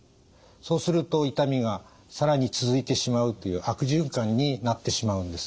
そうすると痛みが更に続いてしまうという悪循環になってしまうんです。